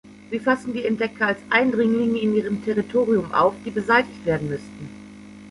Sie fassen die Entdecker als Eindringlinge in ihrem Territorium auf, die beseitigt werden müssten.